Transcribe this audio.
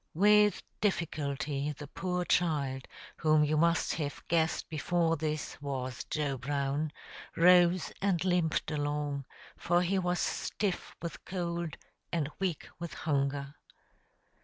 With difficulty the poor child, whom you must have guessed before this was Joe Brown, rose and limped along, for he was stiff with cold and weak with hunger.